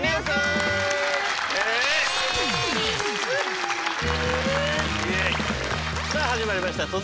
さあ始まりました